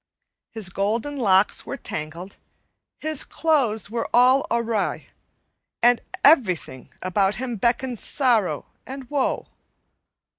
His golden locks were tangled, his clothes were all awry, and everything about him betokened sorrow and woe.